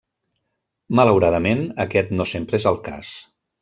Malauradament, aquest no sempre és el cas.